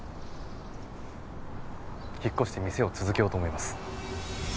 引っ越して店を続けようと思います。